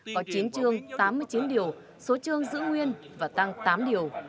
có chín chương tám mươi chín điều số chương giữ nguyên và tăng tám điều